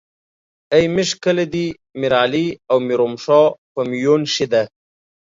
ای ميژ کله دې ميرعلي او میرومشا په میون شې ده